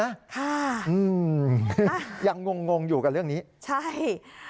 ค่ะอืมยังงงงงอยู่กับเรื่องนี้ใช่